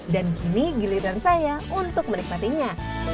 dan kini giliran saya untuk menikmatinya